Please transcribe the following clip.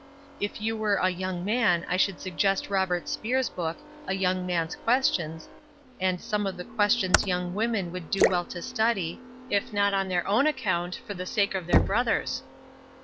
If you were a young man I should suggest Robert Speer's book, ^A Young Man's Questions,' and some of the ques tions young women would do well to study, if not on their own account for the sake of their brothers.